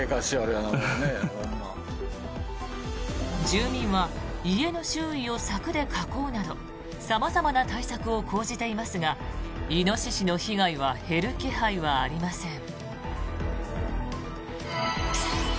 住民は家の周囲を柵で囲うなど様々な対策を講じていますがイノシシの被害は減る気配はありません。